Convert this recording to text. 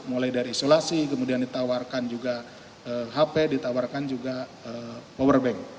mulai dari isolasi kemudian ditawarkan juga hp ditawarkan juga powerbank